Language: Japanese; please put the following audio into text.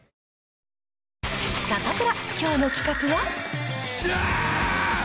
サタプラ、きょうの企画は。